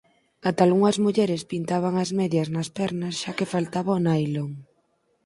Ata algunhas mulleres pintaban as medias nas pernas xa que faltaba o nailon.